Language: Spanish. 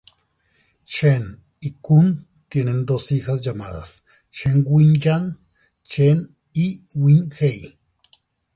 Cheng y Koon tienen dos hijas llamadas, Cheng Wing Yan Cheng y Wing-hei.